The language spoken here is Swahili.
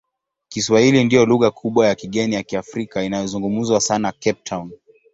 Kiswahili ndiyo lugha kubwa ya kigeni ya Kiafrika inayozungumzwa sana Cape Town.